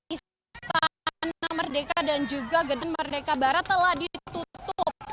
istan merdeka dan juga geden merdeka barat telah ditutup